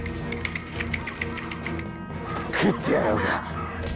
食ってやろうか！